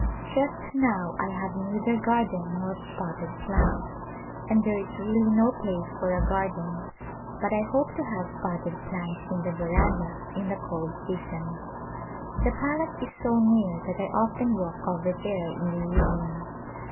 Just now I have neither garden nor potted plants, and there is really no place A Royal Wedding for a garden but I hope to have potted plants in the veranda in the cold season. The palace is so near that I often walk over there in the evening.